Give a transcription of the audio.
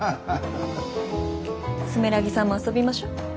住良木さんも遊びましょ。